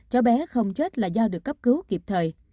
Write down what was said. cháu bé không chết là do được cấp cứu kịp thời